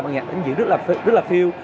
bản nhạc đánh diễn rất là feel